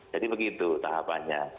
jadi begitu tahapannya